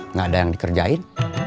nggak ada yang dikerjain